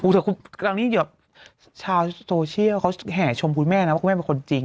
ทุกครั้งนี้เดี๋ยวเฉยชมพี่แม่นะว่าพี่แม่เป็นคนจริง